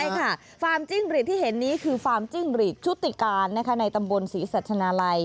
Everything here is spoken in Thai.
ใช่ค่ะฟาร์มจิ้งหรีดที่เห็นนี้คือฟาร์มจิ้งหรีดชุติการในตำบลศรีสัชนาลัย